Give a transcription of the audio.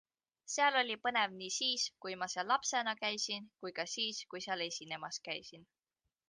Seal oli põnev nii siis, kui ma seal lapsena käisin, kui ka siis, kui seal esinemas käisin.